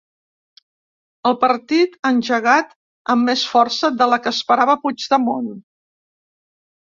El partit ha engegat amb més força de la que esperava Puigdemont.